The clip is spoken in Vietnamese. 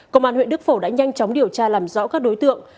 công an huyện đức phổ đã nhanh chóng điều tra làm rõ các đối tượng